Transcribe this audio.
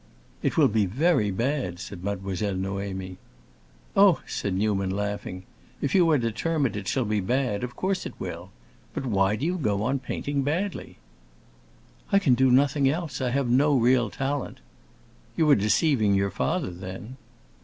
"It will be very bad," said Mademoiselle Noémie. "Oh," said Newman, laughing, "if you are determined it shall be bad, of course it will. But why do you go on painting badly?" "I can do nothing else; I have no real talent." "You are deceiving your father, then."